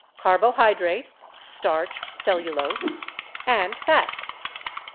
carbohydrates (starch, cellu lose) and fats.